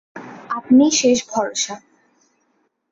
আপনিই শেষ ভরসা!